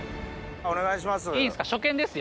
お願いします。